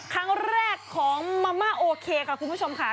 ครั้งแรกของมาม่าโอเคค่ะคุณผู้ชมค่ะ